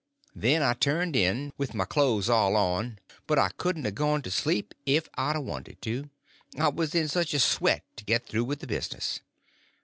Then I turned in, with my clothes all on; but I couldn't a gone to sleep if I'd a wanted to, I was in such a sweat to get through with the business.